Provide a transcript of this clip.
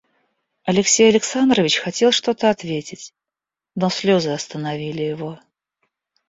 Алексей Александрович хотел что-то ответить, но слезы остановили его.